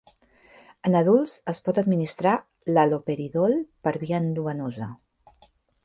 En adults es pot administrar l'haloperidol per via endovenosa.